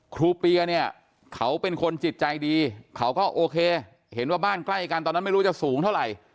เปียเนี่ยเขาเป็นคนจิตใจดีเขาก็โอเคเห็นว่าบ้านใกล้กันตอนนั้นไม่รู้จะสูงเท่าไหร่